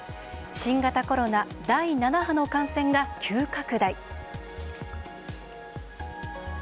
新型コロナ第７波の感染が急拡大。